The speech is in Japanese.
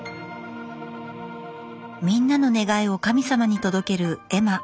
みんなの願いを神様に届ける絵馬。